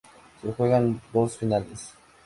Se juegan dos finales.